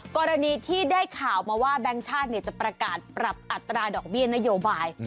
กรณีที่ได้ข่าวมาว่าแบงค์ชาติจะประกาศปรับอัตราดอกเบี้ยนโยบาย